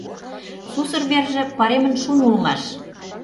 Сусыр верже паремын шуын улмаш.